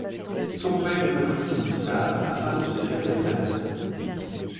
Son père lui offrit une guitare afin de se faire des amis.